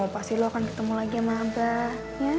pasti lo akan ketemu lagi sama abah